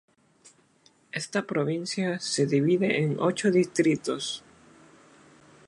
Esta provincia se divide en ocho distritos.